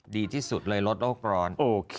ดีที่สุดเลยลดโรคร้อน